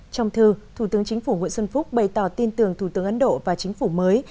trong thư thủ tướng chính phủ nguyễn xuân phúc bày tỏ tin tưởng thủ tướng ấn độ và chính phủ mới